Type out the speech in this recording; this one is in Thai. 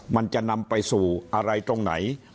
มันจะนำไปสู่อะไรตรงไหน